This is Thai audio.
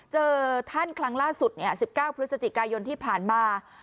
เจอท่านครั้งล่าสุด๑๙พฤศจิกายนที่ผ่านมา